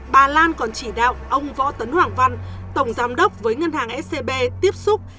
bà lan còn chỉ đạo ông võ tấn hoàng văn tổng giám đốc với ngân hàng scb tiếp xúc